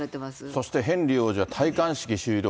そしてヘンリー王子は戴冠式終了